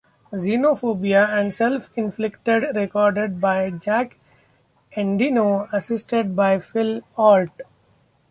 "Xenophobia" and "Self Inflicted" recorded by Jack Endino assisted by Phil Ault.